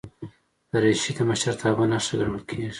دریشي د مشرتابه نښه ګڼل کېږي.